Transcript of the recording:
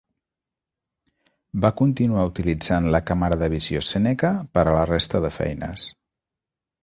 Va continuar utilitzant la càmera de visió Seneca per a la resta de feines.